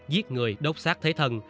giết người đốt sát thế thần